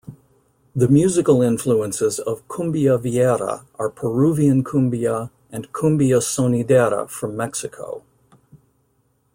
The musical influences of Cumbia Villera are Peruvian Cumbia and Cumbia Sonidera from Mexico.